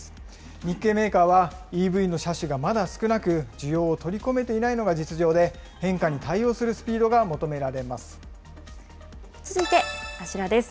日系メーカーは、ＥＶの車種がまだ少なく、需要を取り込めていないのが実情で、変化に対応するス続いて、あちらです。